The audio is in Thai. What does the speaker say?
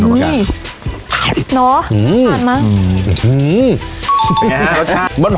เนาะอืมหาดมั้ง